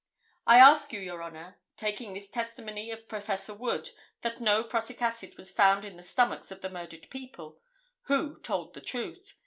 I ask you, Your Honor, taking the testimony of Prof. Wood that no prussic acid was found in the stomachs of the murdered couple, who told the truth?